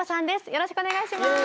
よろしくお願いします。